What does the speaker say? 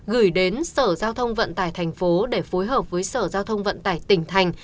gửi đến sở giao thông vận tải tp hcm để phối hợp với sở giao thông vận tải tp hcm